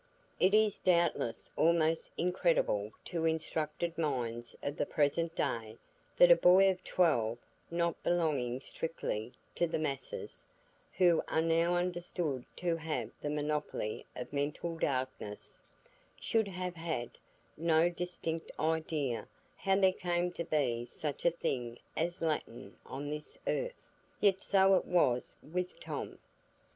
It is doubtless almost incredible to instructed minds of the present day that a boy of twelve, not belonging strictly to "the masses," who are now understood to have the monopoly of mental darkness, should have had no distinct idea how there came to be such a thing as Latin on this earth; yet so it was with Tom.